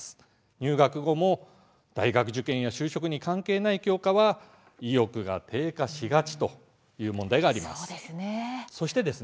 入学後も大学受験や就職に関係ない教科は意欲が低下しがちという問題もあります。